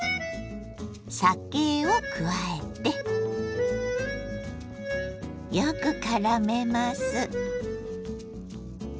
酒を加えてよくからめます。